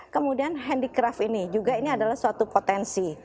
kemudian handicraft ini juga ini adalah suatu potensi